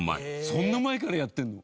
そんな前からやってるの！？